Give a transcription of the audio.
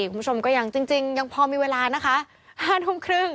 คุณผู้ชมก็ยังจริงพอมีเวลา๕นมครึ่ง